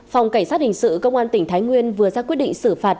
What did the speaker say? phòng cảnh sát hình sự công an tỉnh thái nguyên vừa ra quyết định xử phạt